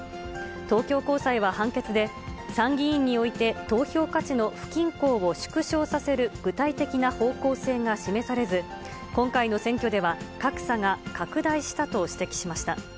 東京高裁は判決で、参議院において、投票価値の不均衡を縮小させる具体的な方向性が示されず、今回の選挙では格差が拡大したと指摘しました。